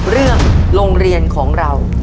เรื่องโรงเรียนของเรา